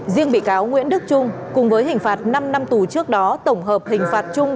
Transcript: riêng bị cáo nguyễn đức trung cùng với hình phạt năm năm tù trước đó tổng hợp hình phạt chung